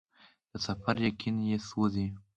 د سفر یقین یې سوزي